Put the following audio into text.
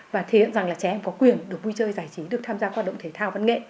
và thể hiện rằng là trẻ em có quyền được vui chơi giải trí được tham gia hoạt động thể thao văn nghệ